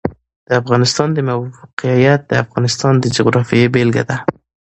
د افغانستان د موقعیت د افغانستان د جغرافیې بېلګه ده.